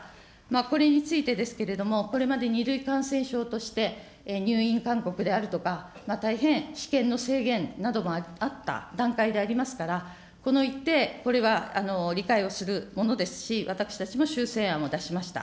これについてですけれども、これまで２類感染症として入院勧告であるとか、大変私見の制限などもあった段階でありますから、この一定、これは理解をするものですし、私たちも修正案を出しました。